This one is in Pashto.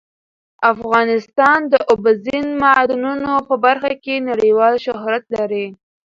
افغانستان د اوبزین معدنونه په برخه کې نړیوال شهرت لري.